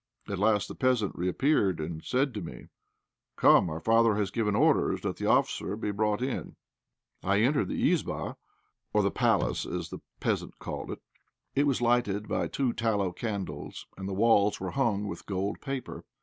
At last the peasant reappeared, and said to me "Come, our father has given orders that the officer be brought in." I entered the "izbá," or the palace, as the peasant called it. It was lighted by two tallow candles, and the walls were hung with gold paper.